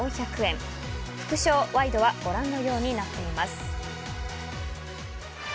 複勝、ワイドはご覧のようになっています。